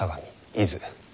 伊豆